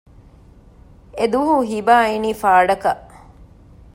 އެދުވަހު ހިބާ އިނީ ފާޑަކަށް